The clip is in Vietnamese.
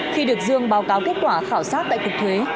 khi được dương báo cáo kết quả khảo sát tại cục thuế